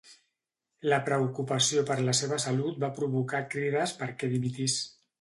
La preocupació per la seva salut va provocar crides perquè dimitís.